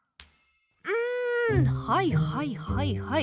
うんはいはいはいはい。